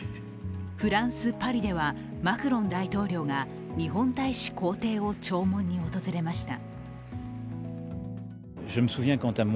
フランス・パリではマクロン大統領が日本大使公邸を弔問に訪れました。